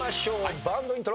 バンドイントロ。